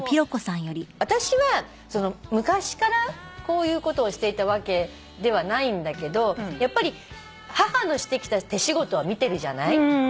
何かでも私は昔からこういうことをしていたわけではないんだけどやっぱり母のしてきた手仕事は見てるじゃない？